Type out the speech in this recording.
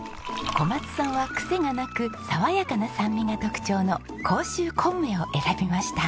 小松さんはクセがなく爽やかな酸味が特徴の甲州小梅を選びました。